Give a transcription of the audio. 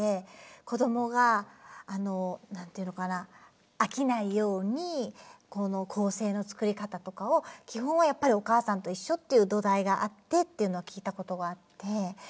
こどもが何て言うのかな飽きないように構成の作り方とかを基本はやっぱり「おかあさんといっしょ」っていう土台があってっていうのは聞いたことがあって。